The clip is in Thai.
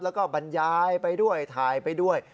แล้วก็บรรยายไปด้วยถ่ายไปด้วย